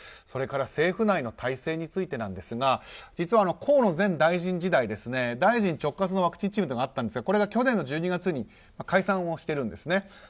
それから、政府内の体制についてですが実は河野前大臣時代大臣直轄のワクチンチームというのがあったんですがこれが去年の１２月に解散してるんです。